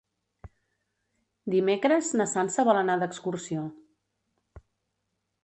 Dimecres na Sança vol anar d'excursió.